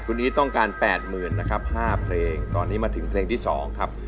คุณอีทต้องการ๘๐๐๐นะครับ๕เพลงตอนนี้มาถึงเพลงที่๒ครับ